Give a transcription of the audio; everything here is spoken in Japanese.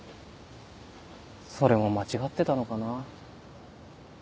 それも間違ってたのかな？